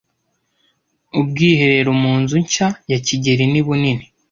Ubwiherero mu nzu nshya ya kigeli ni bunini